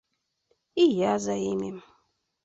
І я за імі.